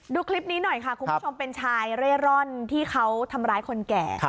ดูคลิปนี้หน่อยค่ะคุณผู้ชมเป็นชายเร่ร่อนที่เขาทำร้ายคนแก่